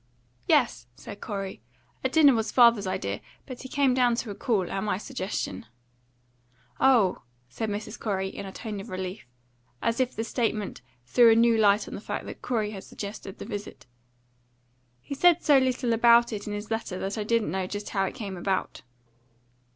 "Yes," said Corey. "A dinner was father's idea, but he came down to a call, at my suggestion." "Oh," said Mrs. Corey, in a tone of relief, as if the statement threw a new light on the fact that Corey had suggested the visit. "He said so little about it in his letter that I didn't know just how it came about."